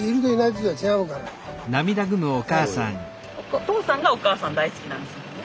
おとうさんがおかあさん大好きなんですもんね。